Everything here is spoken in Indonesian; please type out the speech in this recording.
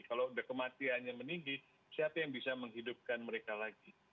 kalau kematiannya meninggi siapa yang bisa menghidupkan mereka lagi